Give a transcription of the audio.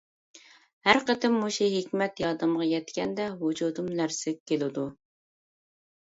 ھەر قېتىم مۇشۇ ھېكمەت يادىمغا يەتكەندە ۋۇجۇدۇم لەرزىگە كېلىدۇ.